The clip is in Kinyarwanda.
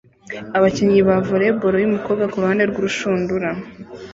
Abakinnyi ba volley ball yumukobwa kuruhande rwurushundura